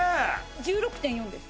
１６．４です。